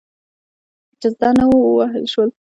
چې زده نه وو، ووهل شول.